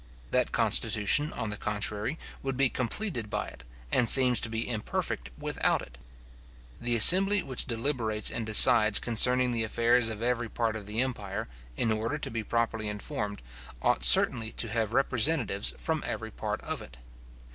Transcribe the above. That constitution, on the contrary, would be completed by it, and seems to be imperfect without it. The assembly which deliberates and decides concerning the affairs of every part of the empire, in order to be properly informed, ought certainly to have representatives from every part of it.